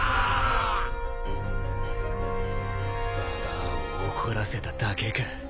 ババアを怒らせただけか。